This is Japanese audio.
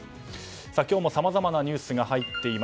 今日もさまざまなニュースが入っています。